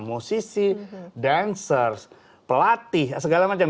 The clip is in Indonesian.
musisi dancers pelatih segala macam